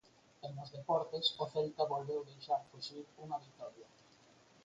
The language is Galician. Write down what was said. E nos deportes, o Celta volveu deixar fuxir unha vitoria.